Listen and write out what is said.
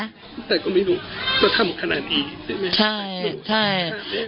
แต่ก็ไม่รู้ว่าทำขนาดนี้ใช่ไหมใช่ใช่